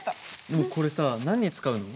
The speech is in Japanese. でもこれさ何に使うの？